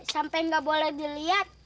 sampai gak boleh dilihat